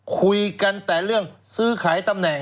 คุยกันแต่เรื่องซื้อขายตำแหน่ง